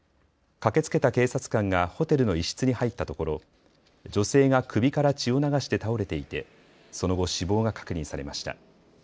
駆けつけた警察官がホテルの一室に入ったところ女性が首から血を流して倒れていてその後死亡が確認されました。